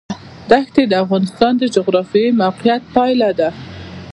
ښتې د افغانستان د جغرافیایي موقیعت پایله ده.